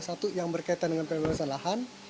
satu yang berkaitan dengan pembebasan lahan